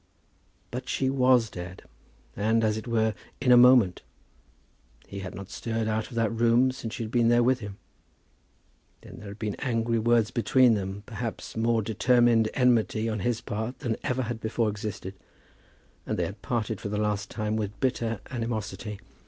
But she was dead; and, as it were, in a moment! He had not stirred out of that room since she had been there with him. Then there had been angry words between them, perhaps more determined enmity on his part than ever had before existed; and they had parted for the last time with bitter animosity.